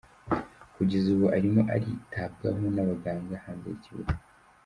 Kugeza ubu arimo aritabwaho n' abagagnga hanze y' ikibuga.